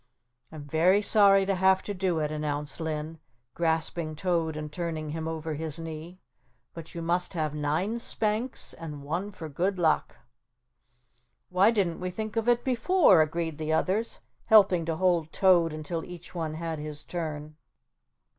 "I'm very sorry to have to do it," announced Linn, grasping Toad and turning him over his knee, "but you must have nine spanks and one for good luck." "Why didn't we think of it before?" agreed the others, helping to hold Toad until each one had his turn.